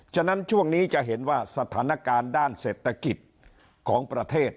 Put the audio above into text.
ฉะนั้นช่วงนี้จะเห็นว่าสถานการณ์ด้านเศรษฐกิจของประเทศ